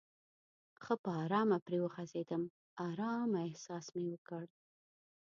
ښه په آرامه پرې وغځېدم، آرامه احساس مې وکړ.